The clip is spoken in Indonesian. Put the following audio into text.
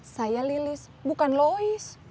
saya lilis bukan lois